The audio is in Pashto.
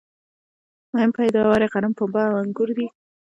مهم پیداوار یې غنم ، پنبه او انګور دي